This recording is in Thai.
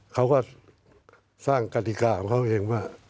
เขาก็สร้างกติกาของเขาเองว่า